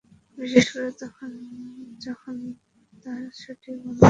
বিশেষ করে যখন তা সঠিক বর্ণনার পরিপন্থী হয়।